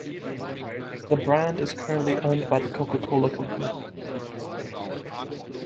The brand is currently owned by The Coca-Cola Company.